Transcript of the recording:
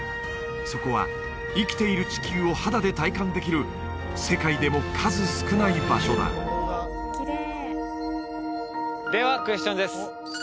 そこは生きている地球を肌で体感できる世界でも数少ない場所だではクエスチョンです